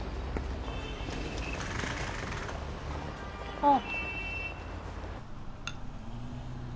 あっ。